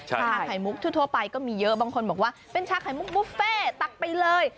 ชาไข่มุกทั่วไปก็มีเยอะบางคนบอกว่าเป็นชาไข่มุกบุฟเฟ่ตักไปเลย